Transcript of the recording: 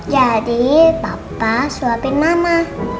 jadi papa suapin mama